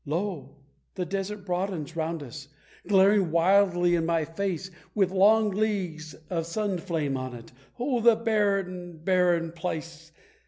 Lo! the desert broadens round us, glaring wildly in my face, With long leagues of sunflame on it, oh! the barren, barren place!